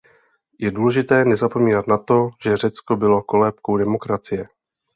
Je důležité nezapomínat na to, že Řecko bylo kolébkou demokracie.